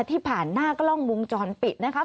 ที่ผ่านหน้ากล้องวงจรปิดนะคะ